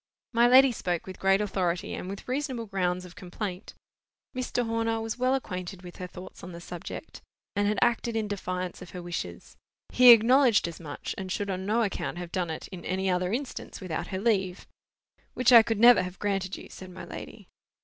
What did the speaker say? My lady spoke with great authority, and with reasonable grounds of complaint. Mr. Horner was well acquainted with her thoughts on the subject, and had acted in defiance of her wishes. He acknowledged as much, and should on no account have done it, in any other instance, without her leave. "Which I could never have granted you," said my lady.